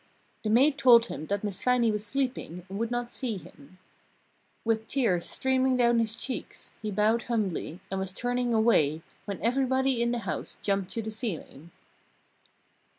The maid told him that Miss Fannie was sleeping and would not see him. With tears streaming down his cheeks, he bowed humbly and was turning away, when everybody in the house jumped to the ceiling.